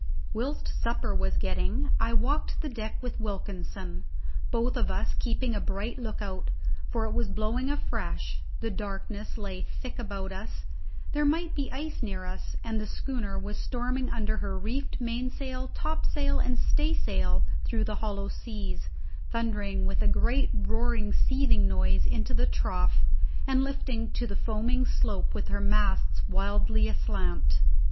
Whilst supper was getting, I walked the deck with Wilkinson, both of us keeping a bright look out, for it was blowing fresh; the darkness lay thick about us, there might be ice near us, and the schooner was storming under her reefed mainsail, topsail, and staysail through the hollow seas, thundering with a great roaring seething noise into the trough, and lifting to the foaming slope with her masts wildly aslant.